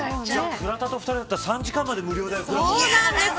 倉田と２人だったら３時間まで無料だよ。